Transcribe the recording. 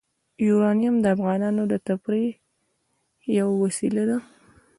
یورانیم د افغانانو د تفریح یوه وسیله ده.